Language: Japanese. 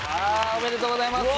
おめでとうございます。